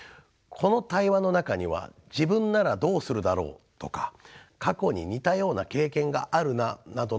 この対話の中には自分ならどうするだろうとか過去に似たような経験があるななどの感想も含まれます。